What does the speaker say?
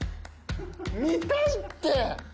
見たいって！